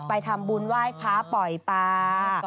ไปทำบุญไหว้พระปล่อยปลา